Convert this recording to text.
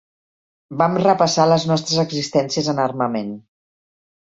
Vam repassar les nostres existències en armament.